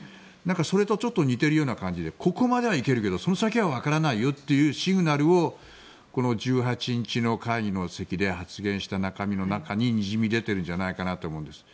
それとちょっと似てるような感じでここまでは行けるけどその先はわからないよというシグナルをこの１８日の会議の席で発言した中身の中ににじみ出てるんじゃないかなと思うんです。